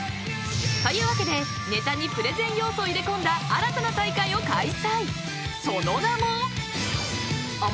［というわけでネタにプレゼン要素を入れ込んだ新たな大会を開催］